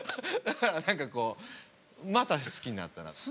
だから何かこうまた好きになったなと。